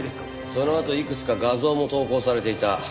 そのあといくつか画像も投稿されていた。